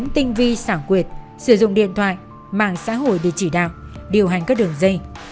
tinh vi xảo quyệt sử dụng điện thoại mạng xã hội để chỉ đạo điều hành các đường dây